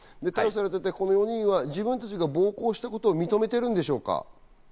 この４人は自分たちが暴行したことを認めているんでしょうか？